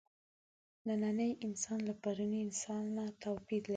نننی انسان له پروني انسانه توپیر لري.